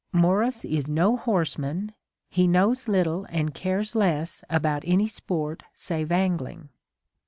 Morris is no horseman : he knows little and cares less about any sport save angling.